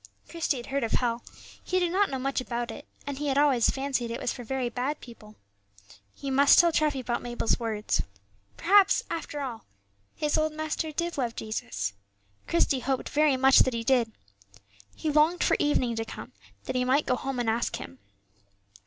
Christie had heard of hell; he did not know much about it, and he had always fancied it was for very bad people. He must tell Treffy about Mabel's words. Perhaps, after all, his old master did love Jesus. Christie hoped very much that he did. He longed for evening to come, that he might go home and ask him.